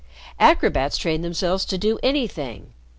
Acrobats train themselves to do anything.